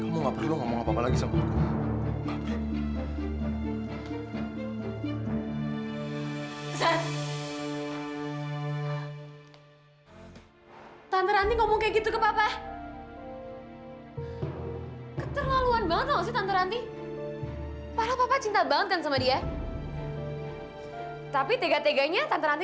masuk masuk jalan mer